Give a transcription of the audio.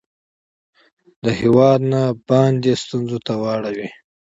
د هیواد نه باندې ستونځو ته واړوي